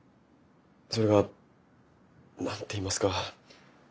それが何て言いますか。